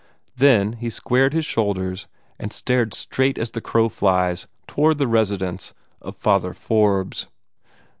Then he squared his shoulders, and started straight as the crow flies toward the residence of Father Forbes.